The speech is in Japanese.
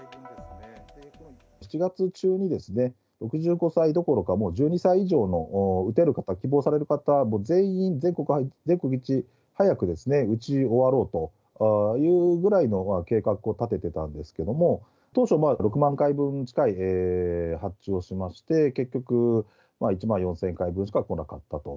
７月中に、６５歳どころか、もう１２歳以上の打てる方、希望される方、全員、全国一早く打ち終わろうというぐらいの計画を立ててたんですけれども、当初、６万回分に近い発注をしまして、結局、１万４０００回分しか来なかったと。